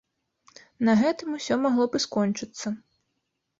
На гэтым усё магло б і скончыцца.